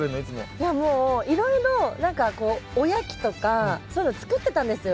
いやもういろいろ何かこうおやきとかそういうの作ってたんですよ。